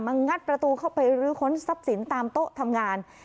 งัดประตูเข้าไปรื้อค้นทรัพย์สินตามโต๊ะทำงาน